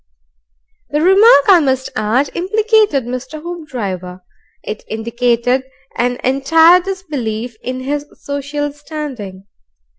The remark, I must add, implicated Mr. Hoopdriver. It indicated an entire disbelief in his social standing.